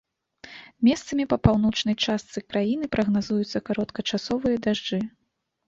Месцамі па паўночнай частцы краіны прагназуюцца кароткачасовыя дажджы.